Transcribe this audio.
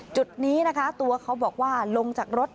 จุดนี้นะคะตัวเขาบอกว่าลงจากรถ